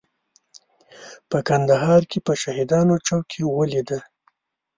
په کندهار کې په شهیدانو چوک کې ولیده.